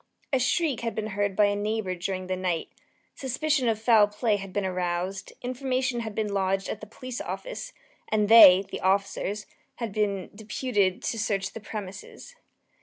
A shriek had been heard by a neighbour during the night; suspicion of foul play had been aroused; information had been lodged at the police office, and they (the officers) had been deputed to search the premises.